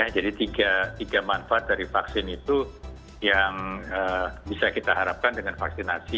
tiga manfaat dari vaksin itu yang bisa kita harapkan dengan vaksinasi